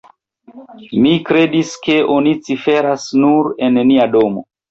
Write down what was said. Mi kredis, ke oni ciferas nur en nia domo.